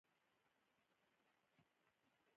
اوبه د سترګو یخوالی راولي.